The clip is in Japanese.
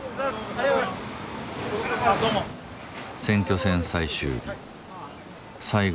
選挙戦最終日。